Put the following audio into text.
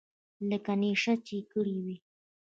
لکه نېشه چې يې کړې وي.